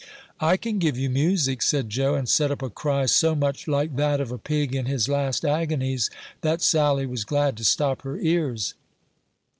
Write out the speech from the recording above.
"I can give you music," said Joe, and set up a cry so much like that of a pig in his last agonies, that Sally was glad to stop her ears.